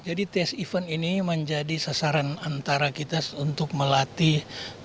jadi tes event ini menjadi sasaran antara kita untuk melatih